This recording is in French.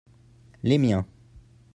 les miens.